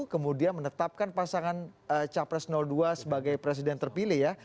kemudian menetapkan pasangan capres dua sebagai presiden terpilih ya